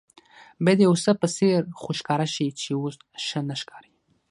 باید د یوڅه په څېر خو ښکاره شي چې اوس ښه نه ښکاري.